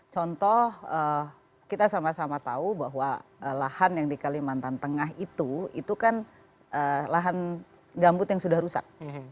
contoh kita sama sama tahu bahwa lahan yang di kalimantan tengah itu itu kan lahan gambut yang sudah rusak